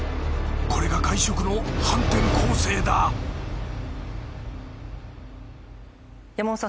これが外食の反転攻勢だ山本さん